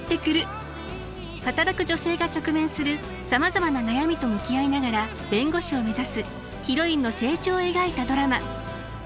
働く女性が直面するさまざまな悩みと向き合いながら弁護士を目指すヒロインの成長を描いたドラマ。